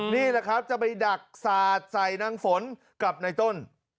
นี่แหละครับจะไปดักสาดใส่นางฝนกับในต้น